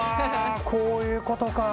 こういうことか！